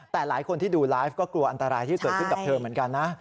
แต่หลายคนที่ดูไลฟ์ก็กลัวอันตรายที่เกิดขึ้นกับเธอเหมือนกันนะ